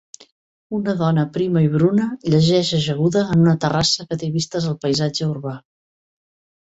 Una dona prima i bruna llegeix ajaguda en una terrassa que té vistes al paisatge urbà